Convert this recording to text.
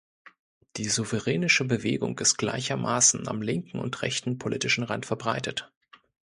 Die souveränische Bewegung ist gleichermaßen am linken und rechten politischen Rand verbreitet.